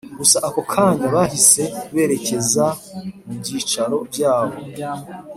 gusa ako kanya bahise berekeza mubyicaro byabo